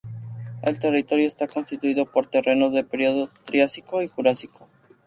El territorio está constituido por terrenos del período triásico y jurásico.